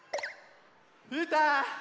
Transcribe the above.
うーたん！